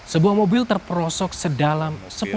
sebuah mobil terperosok sedalam sepuluh meter